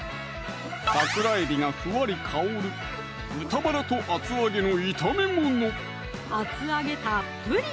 桜えびがふわり香る厚揚げたっぷり！